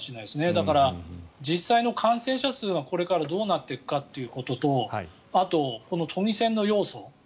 だから、実際の感染者数がこれからどうなっていくかということとあと都議選の要素。